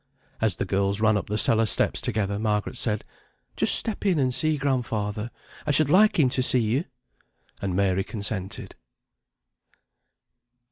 As the girls ran up the cellar steps together, Margaret said: "Just step in and see grandfather. I should like him to see you." And Mary consented.